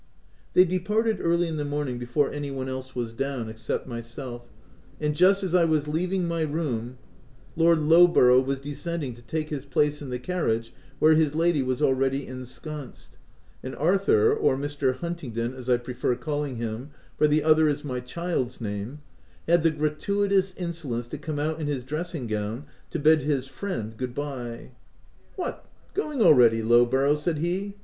They departed early in the morning before OF WILDFELL HALL. 21 any one else was down, except myself, and just as 1 was leaving my room, Lord Lowborough was descending to take his place in the carriage where his lady was already ensconced ; and Arthur (or Mr. Huntingdon as I prefer calling him, for the other is my child's name) had the gratuitous insolence to come out in his dressing gown to bid his u friend " good bye. " What, going already, Lowborough !" said he.